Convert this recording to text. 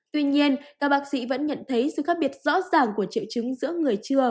tuy nhiên các bác sĩ vẫn nhận thấy sự khác biệt rõ ràng của triệu chứng giữa người chưa